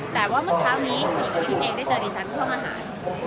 แต่ว่าเมื่อเช้านี้ผู้หญิงคริกเองได้เจอที่ชั้นเครื่องอาหาร